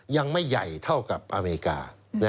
ยังไม่ใหญ่เท่ากับอเมริกา